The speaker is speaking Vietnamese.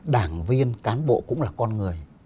đảng viên cán bộ cũng là con người